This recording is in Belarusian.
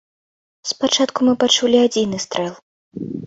Спачатку мы пачулі адзіны стрэл.